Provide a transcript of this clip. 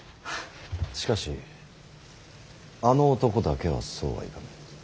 しかしあの男だけはそうはいかぬ。